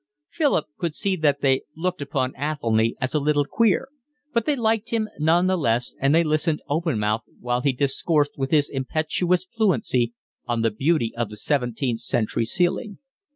Philip could see that they looked upon Athelny as a little queer; but they liked him none the less and they listened open mouthed while he discoursed with his impetuous fluency on the beauty of the seventeenth century ceiling.